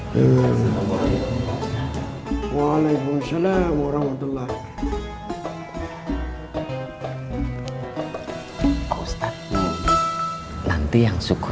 dia apa laku ruang pak